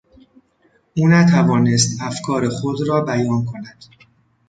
او نتوانست افکار خود را بیان کند.